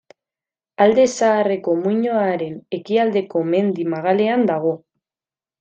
Alde Zaharreko muinoaren ekialdeko mendi magalean dago.